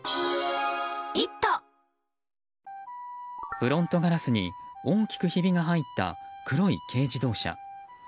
フロントガラスに大きくひびが入った黒い軽自動車。